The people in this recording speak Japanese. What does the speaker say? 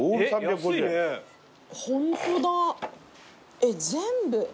えっ全部。